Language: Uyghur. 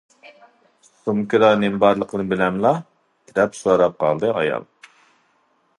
- سومكىدا نېمە بارلىقىنى بىلەمدىلا؟- دەپ سوراپ قالدى ئايال.